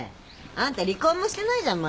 あんた離婚もしてないじゃん